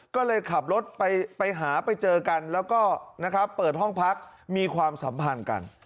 ก็เลยขับรถไปหาไปเจอกันแล้วก็นะครับเปิดห้องพักมีความสัมพันธ์กัน